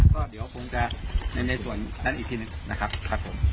ก็เดี๋ยวผมจะในในส่วนด้านอีกทีนึงนะครับครับผม